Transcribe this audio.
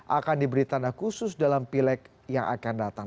akan diberi tanda khusus dalam pileg yang akan datang